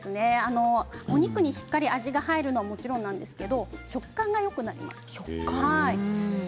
お肉にしっかり味が付くのもそうですけれど食感がよくなります。